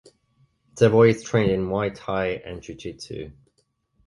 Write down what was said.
Savoy is trained in Muay Thai and jujutsu.